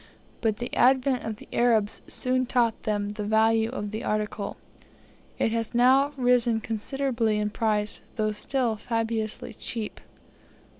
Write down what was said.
But the advent of the Arabs soon taught them the value of the article. It has now risen considerably in price, though still fabulously cheap.